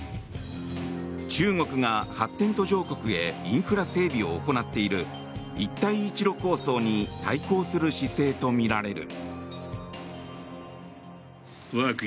中国が発展途上国へインフラ整備を行っている一帯一路構想に対抗する姿勢とみられる。